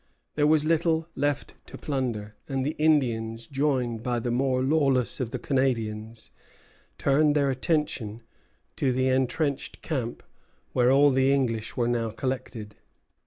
There was little left to plunder; and the Indians, joined by the more lawless of the Canadians, turned their attention to the entrenched camp, where all the English were now collected.